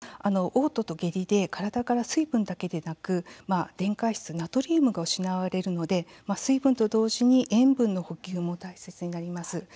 あともう１つおう吐と下痢で体から水分だけでなく電解質、ナトリウムが失われるので水分と同時に塩分の補給が大切になります。